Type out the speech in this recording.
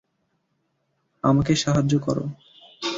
আমাকে সাহায্য করো!